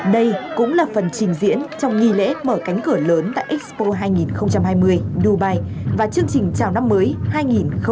đây cũng là phần trình diễn trong nghi lễ mở cánh cửa lớn tại expo hai nghìn hai mươi dubai và chương trình chào năm mới hai nghìn hai mươi